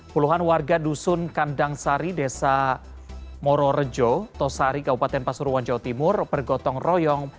puluhan warga dusun kandang sari desa mororejo tosari kabupaten pasuruan jawa timur bergotong royong